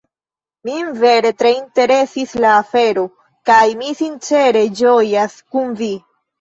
Min vere tre interesis la afero kaj mi sincere ĝojas kun Vi!